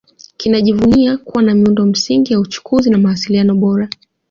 Kinajivuna kuwa na miundo msingi ya uchukuzi na mawasiliano bora